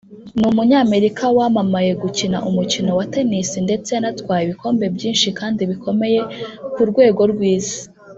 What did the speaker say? Ni umunyamerika wamamaye mu gukina umukino wa Tennis ndetse yanatwaye ibikombe byinshi kandi bikomeye ku rwego rw’isi